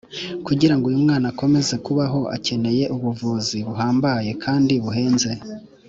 Kugira ngo uyu mwana akomeze kubaho akeneye ubuvuzi buhambaye kandi buhenze